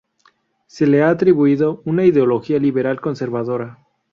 Se le ha atribuido una ideología liberal conservadora.